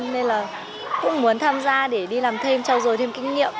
nên là cũng muốn tham gia để đi làm thêm trao dồi thêm kinh nghiệm